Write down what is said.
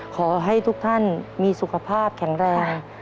ขอให้ทุกท่านมีสุขภาพแข็งแรง